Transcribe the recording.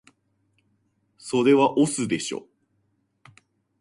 それは押忍でしょ